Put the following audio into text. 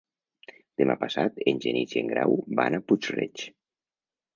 Demà passat en Genís i en Grau van a Puig-reig.